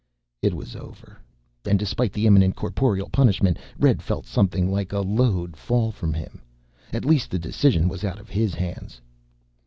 It was over! And despite the imminent corporal punishment, Red felt something like a load fall from him. At least the decision was out of his hands.